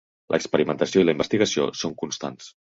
L'experimentació i la investigació són constants.